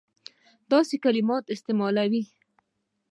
داسي کلمات استعمالوي.